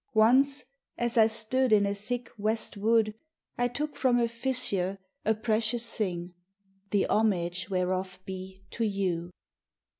Once, as I stood in a thick west wood, I took from a fissure a precious thing, The homage whereof be to you!